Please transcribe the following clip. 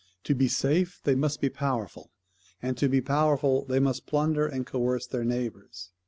To be safe they must be powerful; and to be powerful they must plunder and coerce their neighbours.